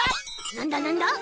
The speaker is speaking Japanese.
なんだなんだ？